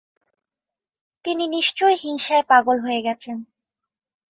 তিনি নিশ্চয় হিংসায় পাগল হয়ে গেছেন।